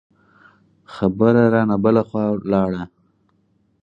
خبره رانه بله خوا لاړه.